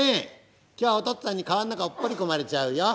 今日はお父っつぁんに川の中におっぽり込まれちゃうよ！」。